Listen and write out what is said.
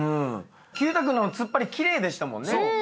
毬太君の突っ張り奇麗でしたもんね。